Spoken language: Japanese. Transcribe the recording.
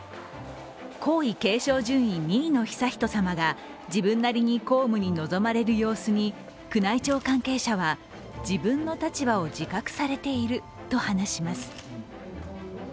皇位継承順位２位の悠仁さまが、自分なりに公務に臨まれる様子に宮内庁関係者は自分の立場を自覚されていると話します。